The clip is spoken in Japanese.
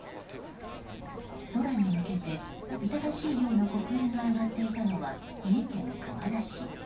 空に向けておびただしい量の黒煙が上がっていたのは三重県桑名市。